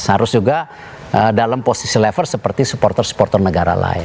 harus juga dalam posisi level seperti supporter supporter negara lain